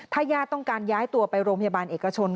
ถ้าญาติต้องการย้ายตัวไปโรงพยาบาลเอกชน